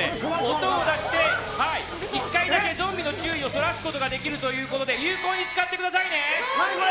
音を出して１回だけゾンビの注意をそらすことができるということで有効に使ってくださいね。